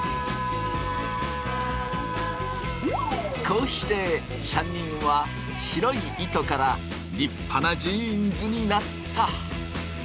こうして３人は白い糸から立派なジーンズになった。